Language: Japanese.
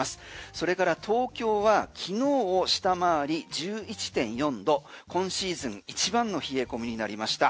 それから東京は昨日を下回り１１．４度今シーズン一番の冷え込みになりました。